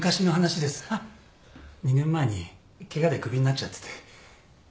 ２年前にケガで首になっちゃってて。